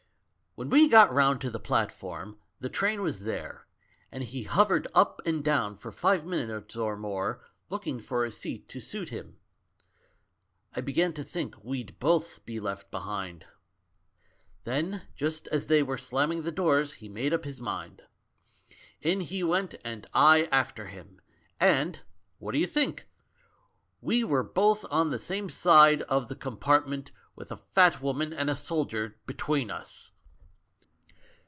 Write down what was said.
When we got round to the platform the A VERY GOOD THING FOR THE GIRL 23 train was there, and he hovered up and down for five minutes or more, looking for a seat to suit him; I began to think we'd both be left behind. Then just as they were slamming the doors, he made up his mind. In he went, and I after him, and — what do you think? We were both on the same side of the compartment, with a fat wo:iian and a soldier between us!